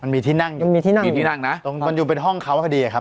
มันมีที่นั่งมีที่นั่งนะมันอยู่เป็นห้องเขาพอดีครับ